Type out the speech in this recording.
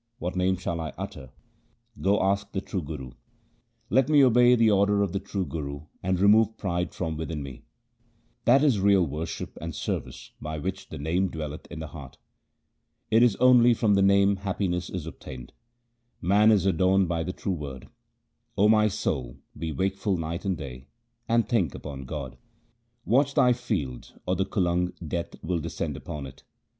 What name shall I utter ? Go ask the true Guru. Let me obey the order of the true Guru and remove pride from within me. That is real worship and service by which the Name dwelleth in the heart. It is only from the Name happiness is obtained ; man is adorned by the true Word. O my soul, be wakeful night and day, and think upon God. Watch thy field or the kulang Death will descend upon it.